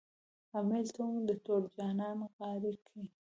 امیل لونګ د تور جانان غاړه کي